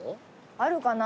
あるかな？